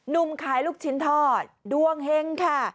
ุ่มขายลูกชิ้นทอดดวงเฮงค่ะ